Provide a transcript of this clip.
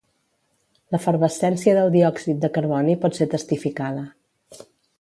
L'efervescència del diòxid de carboni pot ser testificada.